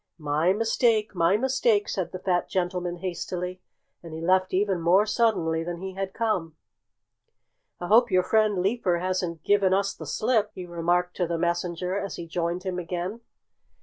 "My mistake! My mistake!" said the fat gentleman hastily. And he left even more suddenly than he had come. "I hope your friend Leaper hasn't given us the slip," he remarked to the messenger as he joined him again.